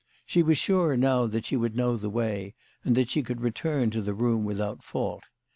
She was sure now that she would know the way, and that she could return to the room without fault.